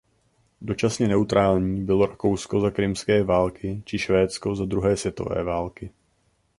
Dočasně neutrální bylo Rakousko za krymské války či Švédsko za druhé světové války.